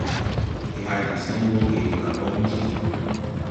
Ndi hay de sãy wɔge Gabɔŋ ti.